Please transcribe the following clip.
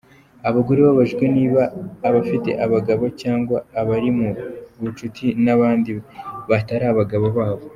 Abagore babajijwe ni abafite abagabo, cyangwa abari mu bucuti n’abandi batari abagabo babo.